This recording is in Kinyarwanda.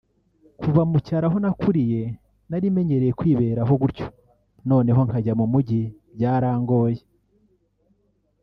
Kuva mu cyaro aho nakuriye nari menyereye kwiberaho gutyo noneho nkajya mu mujyi byarangoye